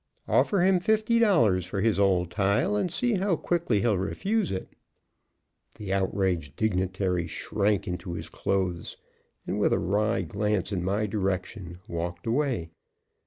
Offer him fifty dollars for his old tile, and see how quickly he'll refuse it." The outraged dignitary shrank into his clothes, and, with a wry glance in my direction, walked away.